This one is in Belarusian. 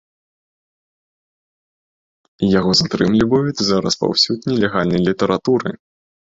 Яго затрымліваюць за распаўсюд нелегальнай літаратуры.